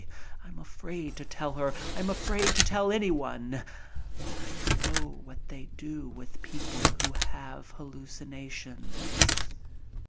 I'm afraid to tell her—I'm afraid to tell anyone. I know what they do with people who have "hallucinations".